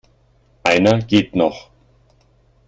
Einer geht noch.